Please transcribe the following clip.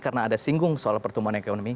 karena ada singgung soal pertumbuhan ekonomi